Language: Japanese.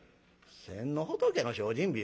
「先の仏の精進日？